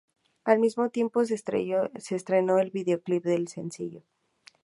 Al mismo tiempo se estrenó el videoclip del sencillo.